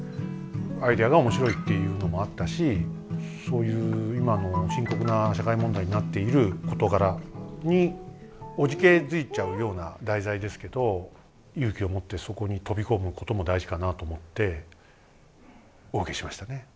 アイデアが面白いっていうのもあったしそういう今の深刻な社会問題になっている事柄におじけづいちゃうような題材ですけど勇気を持ってそこに飛び込むことも大事かなと思ってお受けしましたね。